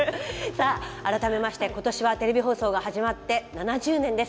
さあ改めまして今年はテレビ放送が始まって７０年です。